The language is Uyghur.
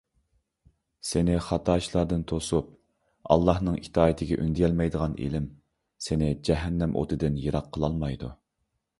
سېنى خاتا ئىشلاردىن توسۇپ، ئاللاھنىڭ ئىتائىتىگە ئۈندىيەلمەيدىغان ئىلىم سېنى جەھەننەم ئوتىدىن يىراق قىلالمايدۇ.